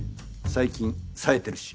最近さえてるし。